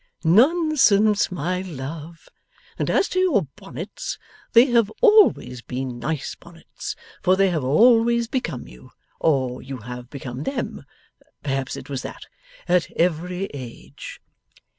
'Nonsense, my love. And as to your bonnets, they have always been nice bonnets, for they have always become you or you have become them; perhaps it was that at every age.